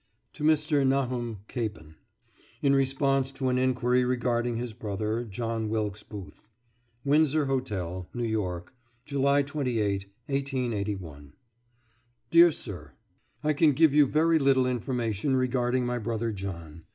TO MR. NAHUM CAPEN [In response to an inquiry regarding his brother, John Wilkes Booth.] WINDSOR HOTEL, NEW YORK, July 28, 1881. DEAR SIR: I can give you very little information regarding my brother John.